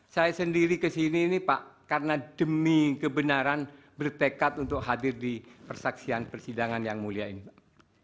saya sendiri kesini ini pak karena demi kebenaran bertekad untuk hadir di persaksian persidangan yang mulia ini pak